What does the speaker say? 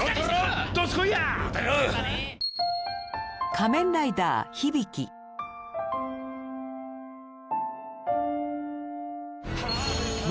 「仮面ライダー響鬼」。